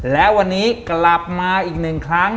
และวันนี้กลับมาอีก๑ครั้ง